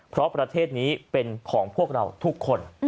เพราะประเทศนี้เป็นของพวกเราทุกคน